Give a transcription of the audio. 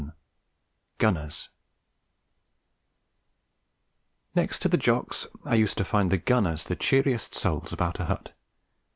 ] GUNNERS Next to the Jocks, I used to find the Gunners the cheeriest souls about a hut.